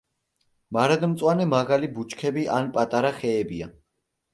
მარადმწვანე მაღალი ბუჩქები ან პატარა ხეებია.